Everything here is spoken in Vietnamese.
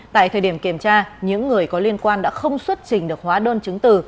tại thời điểm kiểm tra những người có liên quan đã không xuất trình được hóa đơn chứng từ